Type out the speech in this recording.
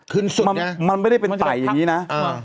ขึ้นสุดนะ